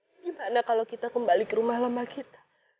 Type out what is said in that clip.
bagaimana kalau kita kembali ke rumah lama kita